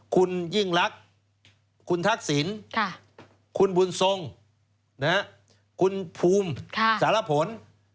คุณยิ่งรักคุณทักษิณคุณบุญทรงคุณภูมิสารผล